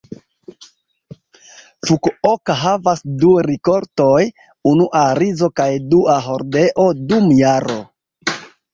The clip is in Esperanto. Fukuoka havas du rikoltoj, unua rizo kaj dua hordeo, dum jaro.